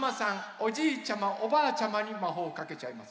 おじいちゃまおばあちゃまにまほうをかけちゃいます。